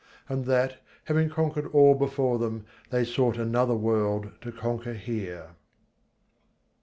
And that, having conquered all before them, they sought another World to conquer here.